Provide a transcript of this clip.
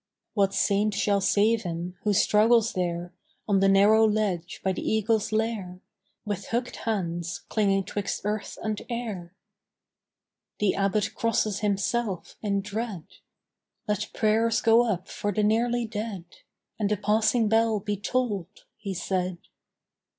What Saint shall save him, who struggles there On the narrow ledge by the eagle's lair, With hook'd hands clinging 'twixt earth and air? The Abbot crosses himself in dread "Let prayers go up for the nearly dead, And the passing bell be tolled," he said.